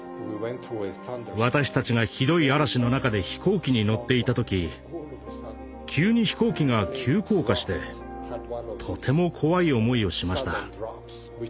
私たちがひどい嵐の中で飛行機に乗っていた時急に飛行機が急降下してとても怖い思いをしました。